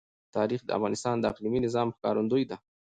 تاریخ د افغانستان د اقلیمي نظام ښکارندوی ده.